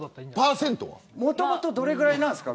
もともとどれぐらいなんですか